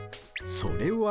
それは。